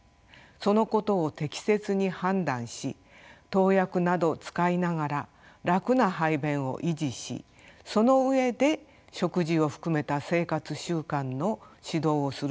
そのことを適切に判断し投薬などを使いながら楽な排便を維持しその上で食事を含めた生活習慣の指導をすることが肝要です。